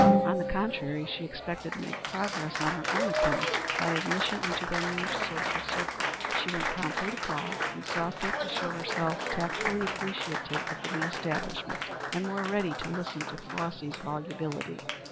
On the contrary, she expected to make progress on her own account by admission into their new social circle. She went promptly to call, and saw fit to show herself tactfully appreciative of the new establishment and more ready to listen to Flossy's volubility.